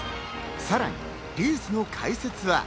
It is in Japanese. さらにレースの解説は。